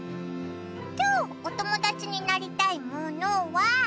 きょうおともだちになりたいモノは。